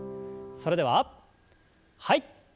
それでははい。